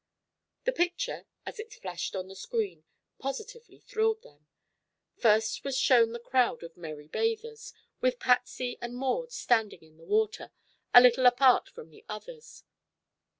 The picture, as it flashed on the screen, positively thrilled them. First was shown the crowd of merry bathers, with Patsy and Maud standing in the water a little apart from the others.